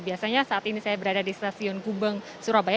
biasanya saat ini saya berada di stasiun gubeng surabaya